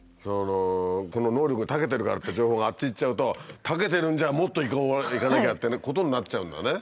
この能力にたけてるからっていう情報があっち行っちゃうとたけてるんじゃもっといかなきゃってことになっちゃうんだね。